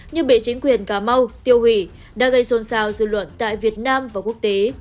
nhưng bị chính quyền cà mau tiêu hủy đã gây xôn xao dư luận tại việt nam và quốc tế